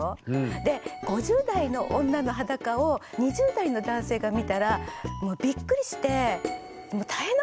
で５０代の女の裸を２０代の男性が見たらもうそうなの？